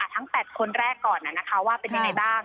ทั้ง๘คนแรกก่อนว่าเป็นยังไงบ้าง